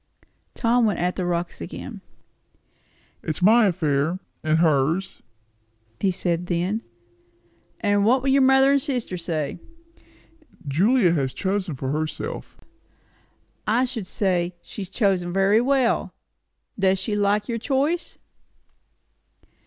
Tom went at the rocks again. "It's my affair and hers," he said then. "And what will your mother and sister say?" "Julia has chosen for herself." "I should say, she has chosen very well. Does she like your choice."